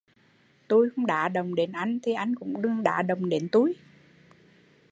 Tui không đá động đến anh thì anh cũng đừng đá động đến tui